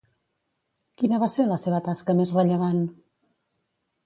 Quina va ser la seva tasca més rellevant?